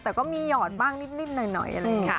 แต่ก็มีหยอดบ้างนิดหน่อย